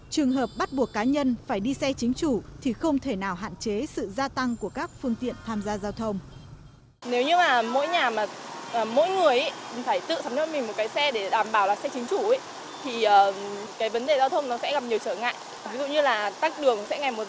trường hợp bắt buộc cá nhân phải đi xe chính chủ thì không thể nào hạn chế sự gia tăng của các phương tiện tham gia giao thông